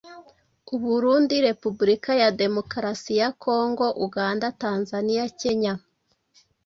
u Burundi, Repubulika ya Demokarasi ya Kongo, Uganda, Tanzania, Kenya